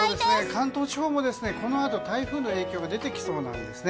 関東地方もこのあと台風の影響が出てきそうなんです。